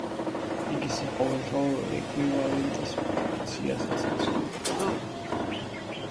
იგი საყოველთაო ეკვივალენტის ფუნქციასაც ასრულებს.